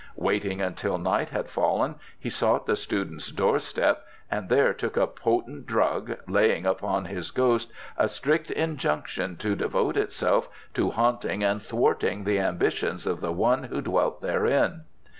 Waiting until night had fallen he sought the student's door step and there took a potent drug, laying upon his ghost a strict injunction to devote itself to haunting and thwarting the ambitions of the one who dwelt within.